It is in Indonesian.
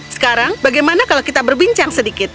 sekarang bagaimana kalau kita berbincang sedikit